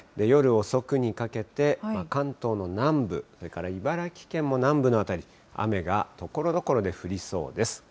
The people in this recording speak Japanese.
夜遅くにかけて、関東の南部、それから茨城県も南部の辺り、雨がところどころで降りそうです。